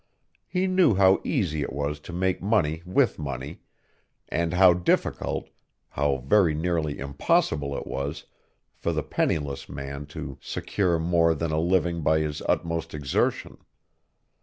He knew how easy it was to make money with money and how difficult, how very nearly impossible it was for the penniless man to secure more than a living by his utmost exertion.